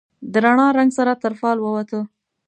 د رڼا، رنګ سره تر فال ووته